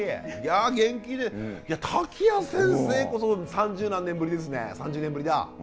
元気瀧谷先生こそ三十何年ぶりですね３０年ぶりだ。